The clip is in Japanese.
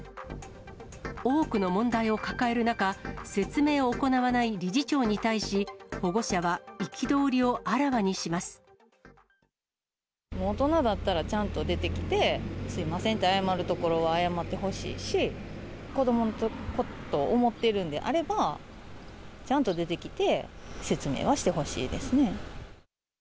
多くの問題を抱える中、説明を行わない理事長に対し、大人だったらちゃんと出てきて、すみませんって謝るところは謝ってほしいし、子どものことを思ってるんであれば、ちゃんと出てきて説明はしてほしいですね。